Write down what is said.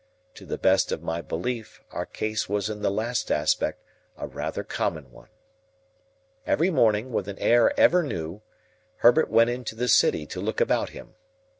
To the best of my belief, our case was in the last aspect a rather common one. Every morning, with an air ever new, Herbert went into the City to look about him.